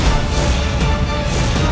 dan menangkap kake guru